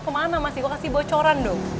kemana mas iko kasih bocoran dong